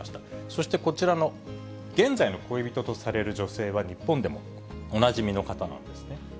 そしてこちらの現在の恋人とされる女性は、日本でもおなじみの方なんですね。